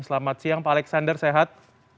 selamat siang pak alexander sehat